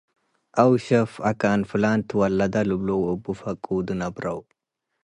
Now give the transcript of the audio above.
አው ሸፍ አካን ፍላን ትወለደ..” ልብሎ ወእቡ ፈቁዱ ነብረው ።